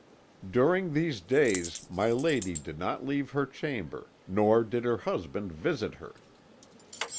"During these days my lady did not leave her chamber, nor did her husband visit her.